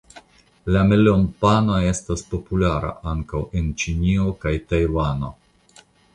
La melonpano estas populara ankaŭ en Ĉinio kaj Tajvano.